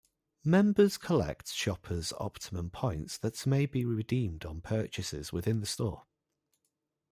Members collect Shoppers Optimum points that may be redeemed on purchases within the store.